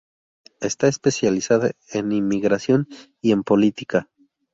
Está especializada en inmigración y en política.